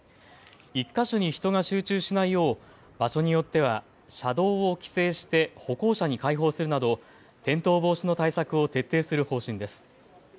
１か所に人が集中しないよう場所によっては車道を規制して歩行者に開放するなど転倒防止の対策を徹底する方針です。